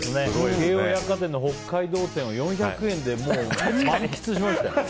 京王百貨店の北海道展を４００円で満喫しましたよ。